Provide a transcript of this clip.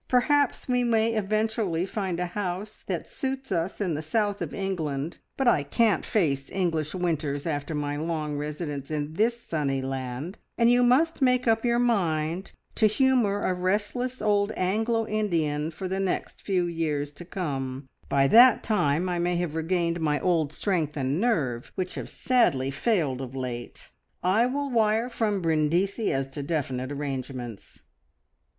Perhaps we may eventually find a house that suits us in the south of England, but I can't face English winters after my long residence in this sunny land, and you must make up your mind to humour a restless old Anglo Indian for the next few years to come. Perhaps by that time I may have regained my old strength and nerve, which have sadly failed of late. I will wire from Brindisi as to definite arrangements."